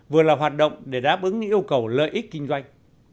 vừa là hoạt động để đáp ứng những yêu cầu lợi ích kinh doanh